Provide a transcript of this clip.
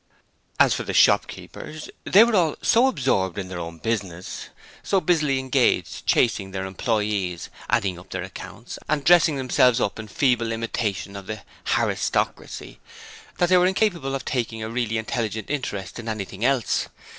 As for the shopkeepers, they were all so absorbed in their own business so busily engaged chasing their employees, adding up their accounts, and dressing themselves up in feeble imitation of the 'Haristocracy' that they were incapable of taking a really intelligent interest in anything else.